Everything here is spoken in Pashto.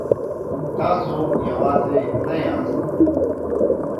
تاسو یوازې نه یاست.